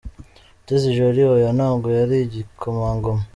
Mutesi Jolly: Oya, ntabwo yari igikomangoma.